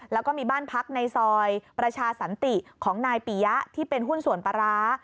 แล้วก็มีบ้านพักในซอยประชาสันติของนายปียะที่เป็นหุ้นส่วนปลาร้า